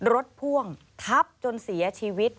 พ่วงทับจนเสียชีวิต